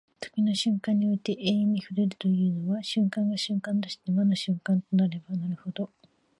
時の瞬間において永遠に触れるというのは、瞬間が瞬間として真の瞬間となればなるほど、